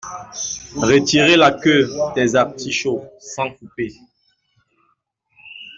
Retirer la queue des artichauts sans couper